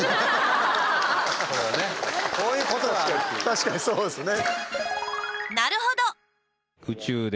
確かにそうですね。